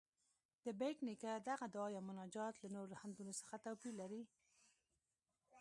د بېټ نیکه دغه دعا یا مناجات له نورو حمدونو څه توپیر لري؟